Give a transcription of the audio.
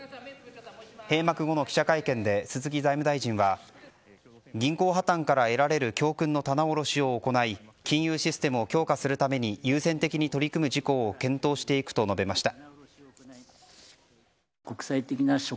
閉幕後の記者会見で鈴木財務大臣は銀行破綻から得られる教訓の棚卸しを行い金融システムを強化するために優先的に取り組む事項を検討していくと述べました。